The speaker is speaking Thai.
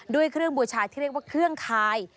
ด้วยเครื่องบูชาที่เรียกว่าเครื่องคาย